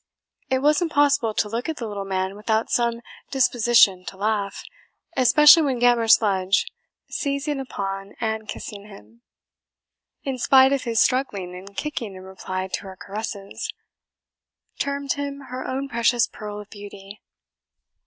It was impossible to look at the little man without some disposition to laugh, especially when Gammer Sludge, seizing upon and kissing him, in spite of his struggling and kicking in reply to her caresses, termed him her own precious pearl of beauty.